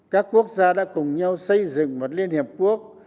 các quốc gia đã cùng nhau xây dựng một liên hiệp quốc